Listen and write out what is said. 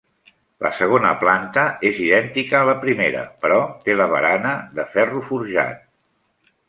La segona planta és idèntica a la primera, però té la barana de ferro forjat.